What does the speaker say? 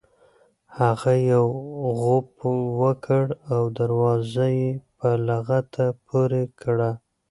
هغه یو غوپ وکړ او دروازه یې په لغته پورې کړه.